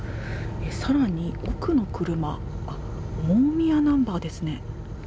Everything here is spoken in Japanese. さらに、奥の車大宮ナンバーですね。